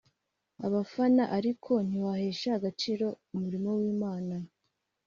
abafana ariko ntitwahesha agaciro umurimo w’Imana